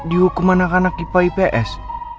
dihukum anak anak ipa ips